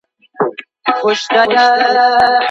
ایا کورني سوداګر خندان پسته صادروي؟